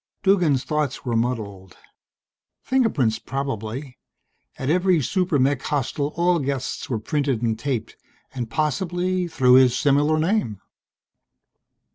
Duggan's thoughts were muddled. Fingerprints probably; at every super mech hostel all guests were printed and taped, and possibly through his similar name.